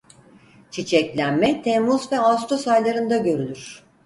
Çiçeklenme Temmuz ve Ağustos aylarında görülür.